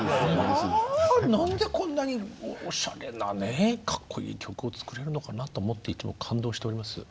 まあ何でこんなにおしゃれなねカッコいい曲を作れるのかなと思って感動しております。